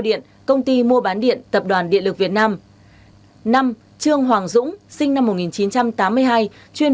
điện công ty mua bán điện tập đoàn điện lực việt nam năm trương hoàng dũng sinh năm một nghìn chín trăm tám mươi hai chuyên